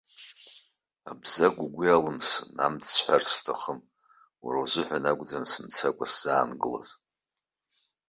Абзагә, угәы иалымсын, амц сҳәар сҭахым, уара узыҳәан акәӡам сымцакәа сзаангылаз.